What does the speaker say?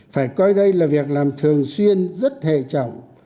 phải coi đây là việc làm thường xuyên rất hệ trọng